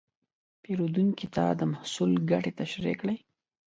پیرودونکي ته د محصول ګټې تشریح کړئ.